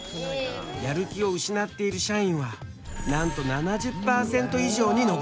やる気を失っている社員はなんと７０％以上に上る。